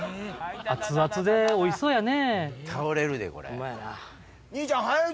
熱々でおいしそうやね。